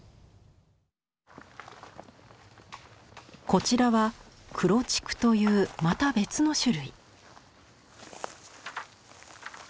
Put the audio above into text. こちらは「黒竹」というまた別の種類。